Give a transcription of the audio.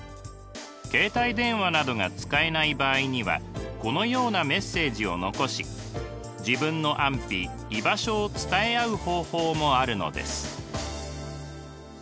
携帯電話などが使えない場合にはこのようなメッセージを残し自分の安否居場所を伝え合う方法もあるのです。